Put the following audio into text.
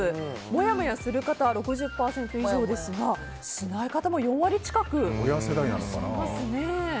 もやもやする方が６０％以上ですがしない方も４割近くいらっしゃいますね。